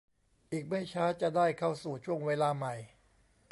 อีกไม่ช้าจะได้เข้าสู่ช่วงเวลาใหม่